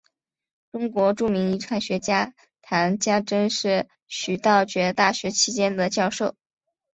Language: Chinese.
中国著名遗传学家谈家桢是徐道觉大学期间的教授。